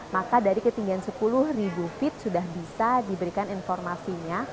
maka dari ketinggian sepuluh ribu feet sudah bisa diberikan informasinya